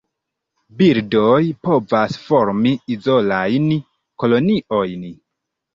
Birdoj povas formi izolajn koloniojn.